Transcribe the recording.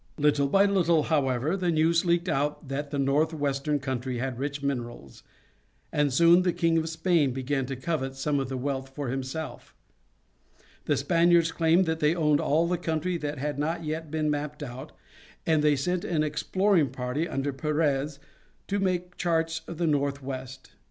Little by little, however, the news leaked out that the northwestern country had rich minerals, and soon the King of Spain began to covet some of that wealth for himself. The Spaniards claimed that they owned all of the country that had not yet been mapped out, and they sent an exploring party, under Perez, to make charts of the northwest.